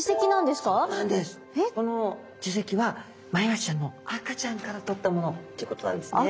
この耳石はマイワシちゃんの赤ちゃんから取ったものということなんですね。